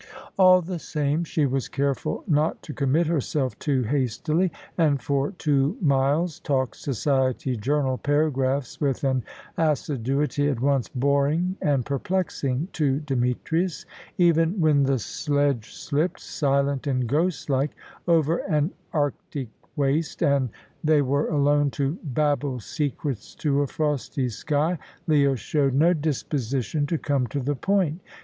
All the same, she was careful not to commit herself too hastily, and for two miles talked society journal paragraphs with an assiduity at once boring and perplexing to Demetrius. Even when the sledge slipped, silent and ghost like, over an Arctic waste, and they were alone to babble secrets to a frosty sky, Leah showed no disposition to come to the point.